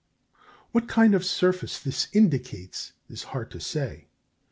What kind of surface this indicates, it is hard to say.